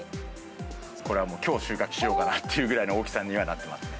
これはもう、きょう収穫しようかなっていうぐらいの大きさにはなってますね。